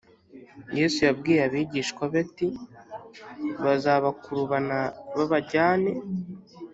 Yesu yabwiye abigishwa be ati bazabakurubana babajyane